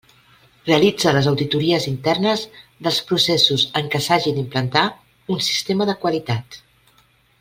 Realitza les auditories internes dels processos en què s'hagi d'implantar un sistema de qualitat.